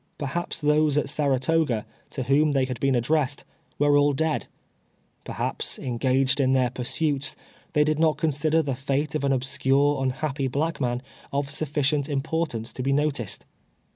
Perhaps tliose at Saratoga, to Avhoni tlicy had been afUh essed, Avere all dead ; perhai)s, engaged in their pursuits, they did not consider the late of an obscure, unhappy black man of sufficient importaiice to be noticed.